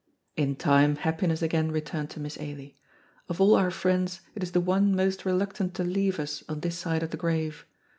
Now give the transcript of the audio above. In time happiness again returned to Miss Ailie; of all our friends it is the one most reluctant to leave us on this side of the grave.